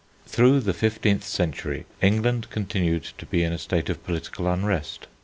Through the fifteenth century England continued to be in a state of political unrest.